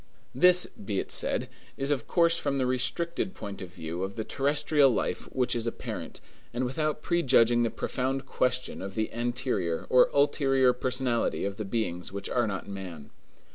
This, be it said, is of course from the restricted point of view of the terrestrial life which is apparent, and without prejudging the profound question of the anterior or ulterior personality of the beings which are not man.